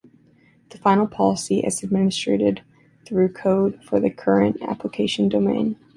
The final policy is administered through code for the current application domain.